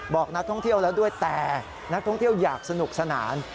บอกนักท่องเที่ยวแล้วด้วยแต่นักท่องเที่ยวอยากสนุกสนาน